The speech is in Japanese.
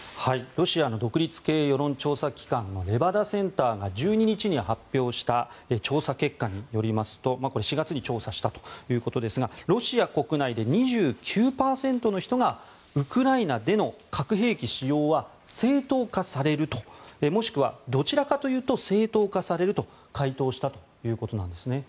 ロシアの独立系世論調査機関レバダ・センターが１２日に発表した調査結果によりますと４月に調査したということでロシア国内で、２９％の人がウクライナでの核兵器使用は正当化されるともしくはどちらかというと正当化されると回答したということなんですね。